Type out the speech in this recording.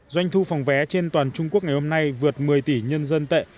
doanh thu phòng vé trên toàn trung quốc ngày hôm nay vượt một mươi tỷ nhân dân tệ